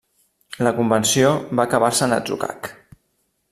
La convenció va acabar-se en atzucac.